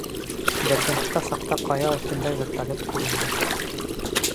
Дербентта саҡта ҡая өҫтөндә вертолет күренде.